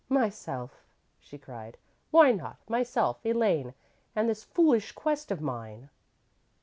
"Myself," she cried. "Why not? Myself, Elaine, and this foolish quest of mine!"